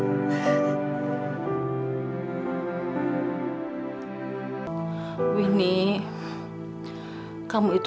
saya akan menerima kesempatanmu